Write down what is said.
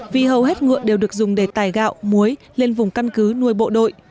vì hầu hết ngựa đều được dùng để tài gạo muối lên vùng căn cứ nuôi bộ đội